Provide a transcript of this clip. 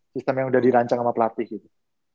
sistem yang udah dirancang sama pelatih gitu